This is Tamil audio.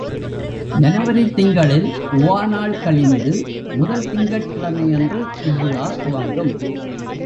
ஜனவரித் திங்களில் உவா நாள் கழிந்து, முதல் திங்கட்கிழமையன்று இவ் விழா துவங்கும்.